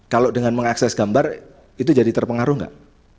kalau dengan mengakses gambar itu jadi terpengaruh nggak